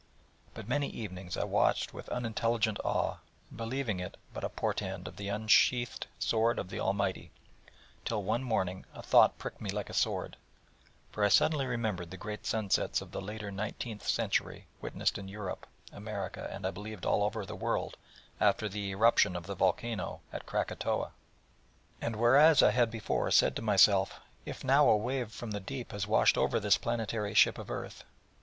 But many evenings I watched with unintelligent awe, believing it but a portent of the un sheathed sword of the Almighty; till, one morning, a thought pricked me like a sword, for I suddenly remembered the great sun sets of the later nineteenth century, witnessed in Europe, America, and, I believe, over the world, after the eruption of the volcano of Krakatoa. And whereas I had before said to myself: 'If now a wave from the Deep has washed over this planetary ship of earth...